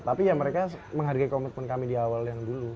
tapi ya mereka menghargai komitmen kami di awal yang dulu